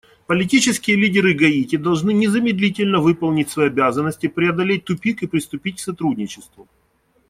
Политические лидеры Гаити должны незамедлительно выполнить свои обязанности, преодолеть тупик и приступить к сотрудничеству.